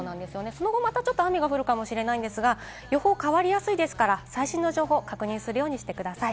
その後またちょっと雨が降るかもしれないんですが、予報は変わりやすいですから最新の予報を確認するようにしてください。